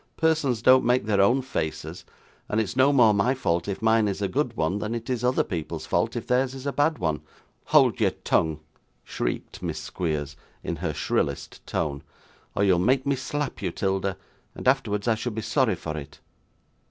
'Persons don't make their own faces, and it's no more my fault if mine is a good one than it is other people's fault if theirs is a bad one.' 'Hold your tongue,' shrieked Miss Squeers, in her shrillest tone; 'or you'll make me slap you, 'Tilda, and afterwards I should be sorry for it!